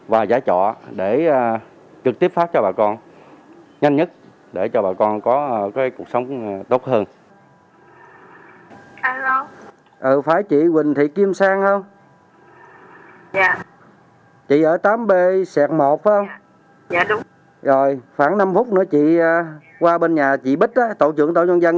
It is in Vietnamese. và giải trọ để trực tiếp phát cho bà con nhanh nhất để cho bà con có cuộc sống tốt hơn